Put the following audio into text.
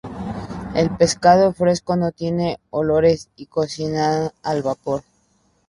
El pescado fresco no tiene olores y se cocina al vapor.